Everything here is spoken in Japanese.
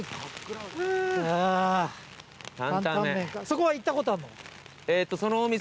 そこは行ったことあるの？